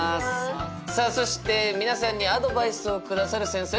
さあそして皆さんにアドバイスをくださる先生を紹介します。